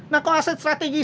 nah kalau aset strategis saja